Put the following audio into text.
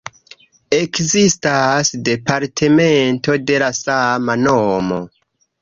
Ekzistas departemento de la sama nomo.